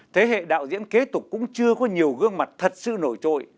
thế hệ đạo diễn kế tục cũng chưa có nhiều gương mặt thật sự nổi trội